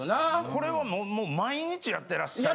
これはもう毎日やってらっしゃる？